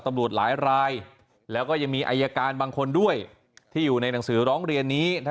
ตำรวจหลายรายแล้วก็ยังมีอายการบางคนด้วยที่อยู่ในหนังสือร้องเรียนนี้